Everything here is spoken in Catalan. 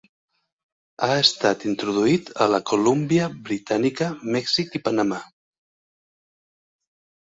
Ha estat introduït a la Colúmbia Britànica, Mèxic i Panamà.